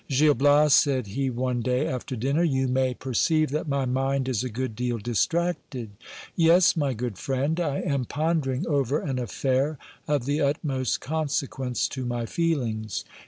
Gil Bias, said he one day after dinner, you may perceive that my mind is a good deal distracted. Yes, my good friend, I am pondering over an affair of the utmost consequence to my feelings.